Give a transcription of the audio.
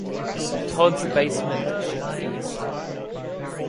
Todd's basement shipped east.